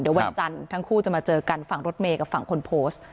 เดี๋ยววันจันทร์ทั้งคู่จะมาเจอกันฝั่งรถเมย์กับฝั่งคนโพสต์